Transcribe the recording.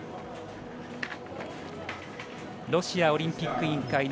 ロシアオリンピック委員会